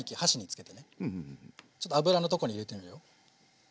ちょっと油のとこに入れてみるよ。